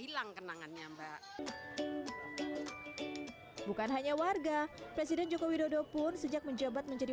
hilang kenangannya mbak bukan hanya warga presiden joko widodo pun sejak menjabat menjadi